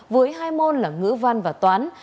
với hai môn là ngữ văn và toán